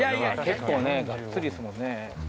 結構がっつりっすもんね。